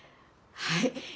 はい！